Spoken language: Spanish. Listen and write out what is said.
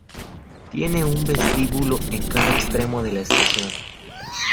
Tiene un vestíbulo en cada extremo de la estación.